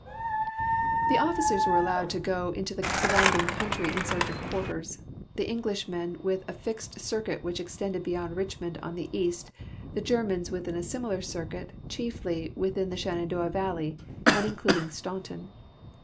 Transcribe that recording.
The officers were allotved to go into the surrounding country in search of c{uarters ; the Englishmen within a fixed circuit which extended be}mnd Richmond on the east ; the Germans wdtliin a similar circuit, chiefly within the Shenandoah valley and including Staunton.